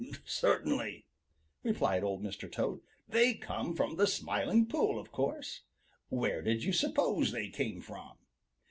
"] "Certainly," replied Old Mr. Toad. "They came from the Smiling Pool, of course. Where did you suppose they came from?"